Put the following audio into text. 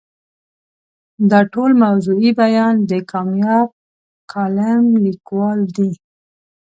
دا ټول موضوعي بیان د کامیاب کالم لیکوال دی.